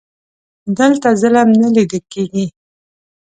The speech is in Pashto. دلته ظلم نه لیده کیږي.